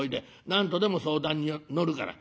何度でも相談に乗るから。